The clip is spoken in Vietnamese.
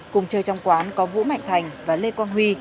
cùng chơi trong quán có vũ mạnh thành và lê quang huy